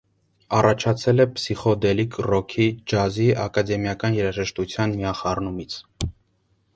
Առաջացել է փսիխոդելիկ ռոքի, ջազի, ակադեմիական երաժշտության միախառնումից։